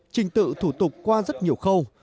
trình tự thủ tục qua rất nhiều khâu